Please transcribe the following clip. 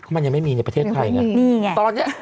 มันยังไม่มีในประเทศไทยเนี่ย